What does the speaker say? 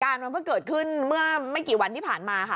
มันก็เกิดขึ้นเมื่อไม่กี่วันที่ผ่านมาค่ะ